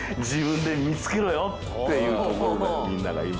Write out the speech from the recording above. っていうところでみんなが今。